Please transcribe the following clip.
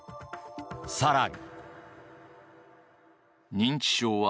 更に。